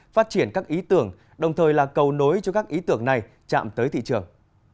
phát triển các ý tưởng đồng thời là cầu nối cho các ý tưởng này chạm tới thị trường